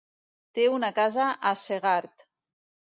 Té una casa a Segart.